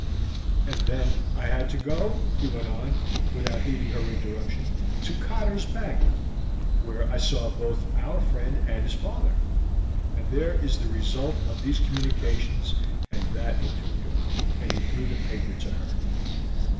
"And then I had to go," he went on, without heeding her interruption, "to Cotter's Bank, where I saw both our friend and his father, and there is the result of these communications and that interview;" and he threw the paper to her.